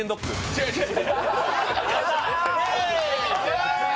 違う、違う！